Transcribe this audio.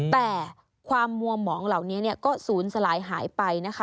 แต่ความมัวหมองเหล่านี้ก็ศูนย์สลายหายไปนะคะ